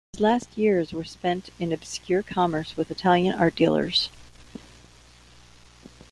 His last years were spent in obscure commerce with Italian art-dealers.